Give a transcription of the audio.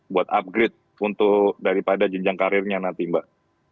buat upgrade untuk daripada jenjang karirnya nanti mbak